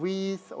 jadi dalam hal